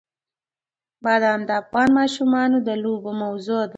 بادام د افغان ماشومانو د لوبو موضوع ده.